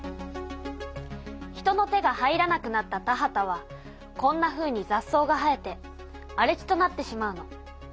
人の手が入らなくなった田畑はこんなふうにざっ草が生えてあれ地となってしまうの。